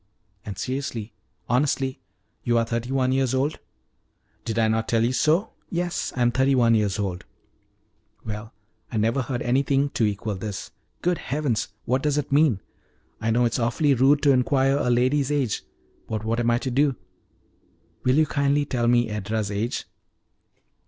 "And seriously, honestly, you are thirty one years old?" "Did I not tell you so? Yes, I am thirty one years old." "Well, I never heard anything to equal this! Good heavens, what does it mean? I know it is awfully rude to inquire a lady's age, but what am I to do? Will you kindly tell me Edra's age?"